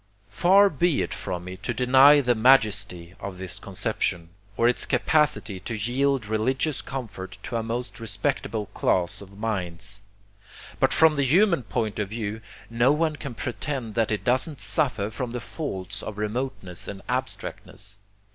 Far be it from me to deny the majesty of this conception, or its capacity to yield religious comfort to a most respectable class of minds. But from the human point of view, no one can pretend that it doesn't suffer from the faults of remoteness and abstractness.